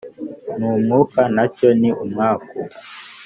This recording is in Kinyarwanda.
N umwuka na cyo ni umwuka